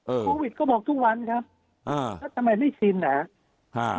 โควิดก็บอกทุกวันครับอ่าแล้วทำไมไม่ชินอ่ะฮะ